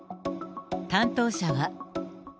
担当者は。